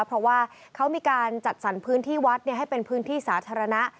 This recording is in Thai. เพราะว่าเขามีการจัดสรรพื้นที่วัดให้เป็นพื้นที่สาธารณะ